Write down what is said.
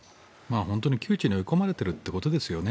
本当に窮地に追い込まれてるということですよね。